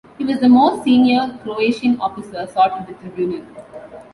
He was the most senior Croatian officer sought at the tribunal.